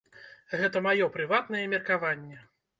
Гэта маё прыватнае меркаванне.